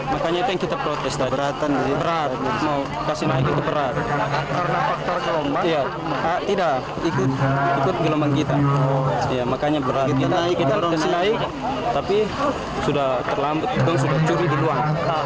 makanya berarti kita harus naik tapi sudah terlambat kita sudah curi di luar